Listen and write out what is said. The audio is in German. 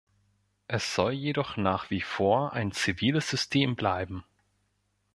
Es soll jedoch nach wie vor ein ziviles System bleiben.